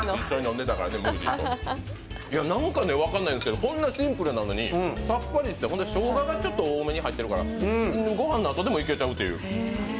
なんか分からないんですけどこんなにシンプルなのに、さっぱりして、しょうががちょっと多めに入っているからご飯のあとでもいけちゃうという。